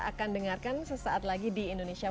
akan dengarkan sesaat lagi di indonesia